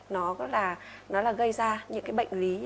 nó là gây ra những cái bệnh lý